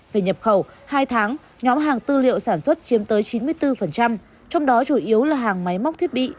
về nhập khẩu hai tháng nhóm hàng tư liệu sản xuất chiếm tới chín mươi bốn trong đó chủ yếu là hàng máy móc thiết bị